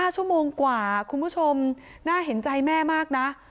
๕ชั่วโมงกว่าคุณผู้ชมน่าเห็นใจแม่มากนะ